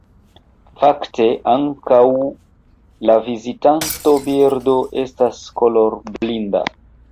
Fakte, ankaŭ la vizitanta birdo estas kolorblinda!